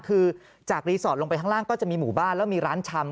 คือจากรีสอร์ทลงไปข้างล่างก็จะมีหมู่บ้านแล้วมีร้านชำ